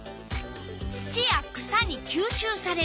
「土や草にきゅうしゅうされる」。